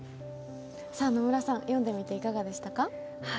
野村さん、読んでみていかがでしたか？